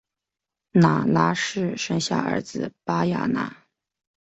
纳喇氏生下儿子巴雅喇。